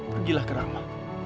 pergilah ke rama